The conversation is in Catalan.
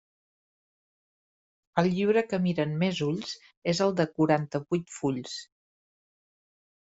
El llibre que miren més ulls és el de quaranta-vuit fulls.